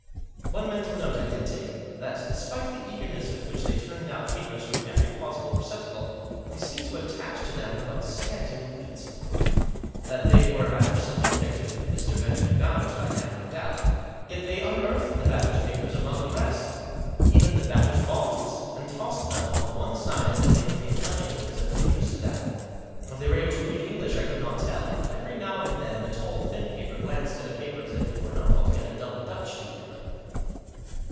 One mental note I did take ; that, despite the eager ness with which they turned out papers from every possible receptacle, they seemed to attach to them but scant importance. That they were after something connected with Mr. Benjamin Batters I had no doubt. Yet they unearthed the Batters' papers among the rest —even the Batters' bonds !— and tossed them on one side as if they contained nothing which was of interest to them. If they were able to read English I could not tell, but every now and then the tall, thin party glanced at a paper as if it was not altogether Double Dutch to him.